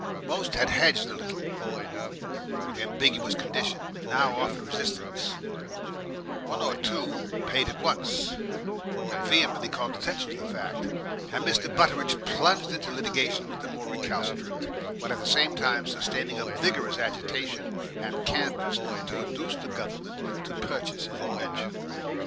Most had hedged a little with ambiguous conditions, and now offered resistance; one or two paid at once, and vehemently called attention to the fact; and Mr. Butteridge plunged into litigation with the more recalcitrant, while at the same time sustaining a vigorous agitation and canvass to induce the Government to purchase his invention.